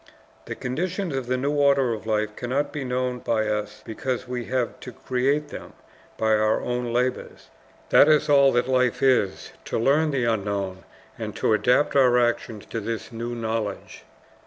The conditions of the new order of life cannot be known by us because we have to create them by our own labors. That is all that life is, to learn the unknown, and to adapt our actions to this new knowledge.